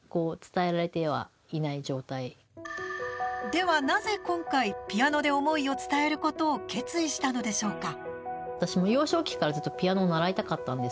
ではなぜ今回ピアノで思いを伝えることを決意したのでしょうか。